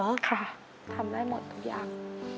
ค่ะทำได้หมดทุกอย่าง